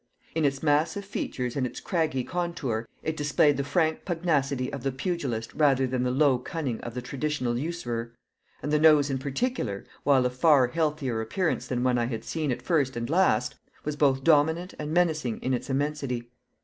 In its massive features and its craggy contour it displayed the frank pugnacity of the pugilist rather than the low cunning of the traditional usurer; and the nose in particular, while of far healthier appearance than when I had seen it first and last, was both dominant and menacing in its immensity.